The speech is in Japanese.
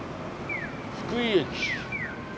福井駅。